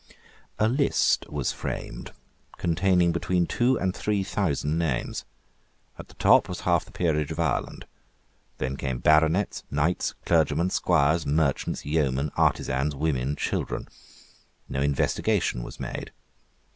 A list was framed containing between two and three thousand names. At the top was half the peerage of Ireland. Then came baronets, knights, clergymen, squires, merchants, yeomen, artisans, women, children. No investigation was made.